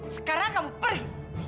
sekarang kamu pergi